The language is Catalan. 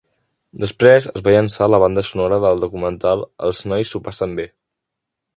Després es va llançar en la banda sonora del documental "Els nois s'ho passen bé".